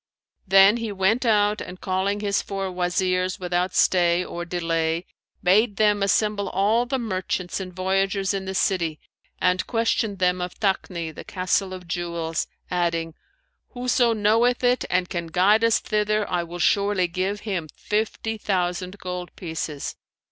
Then he went out and, calling his four Wazirs without stay or delay, bade them assemble all the merchants and voyagers in the city and question them of Takni, the Castle of Jewels, adding, 'Whoso knoweth it and can guide us thither, I will surely give him fifty thousand gold pieces.'